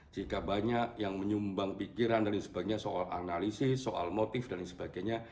jika banyak yang menyumbang pikiran dan sebagainya soal analisis soal motif dan sebagainya